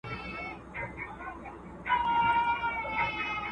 کبابي په خپلو لاسو کې د غوښې د ماتولو لپاره ډبره وکاروله.